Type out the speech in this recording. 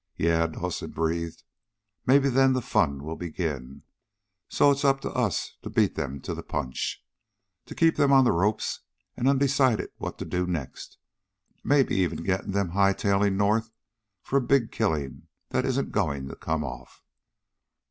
"Yeah!" Dawson breathed. "Maybe then the fun will begin. So it's up to us to beat them to the punch. To keep them on the ropes, and undecided what to do next. Maybe even get them high tailing north for a big killing that isn't going to come off."